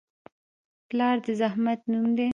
پلار د زحمت نوم دی.